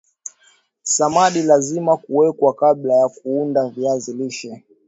samadi lazima kuwekwa kabla ya kuanda viazi lishe